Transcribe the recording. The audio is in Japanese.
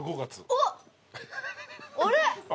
あれ？